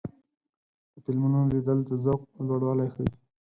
د فلمونو لیدل د ذوق لوړوالی ښيي.